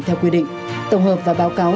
theo quy định tổng hợp và báo cáo